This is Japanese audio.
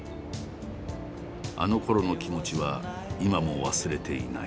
あのころの気持ちは今も忘れていない。